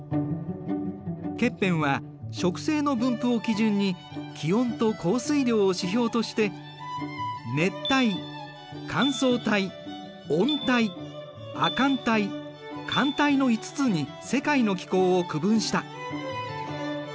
ケッペンは植生の分布を基準に気温と降水量を指標として熱帯乾燥帯温帯亜寒帯寒帯の５つに世界の気候を区分した。